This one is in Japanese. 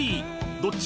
どっち？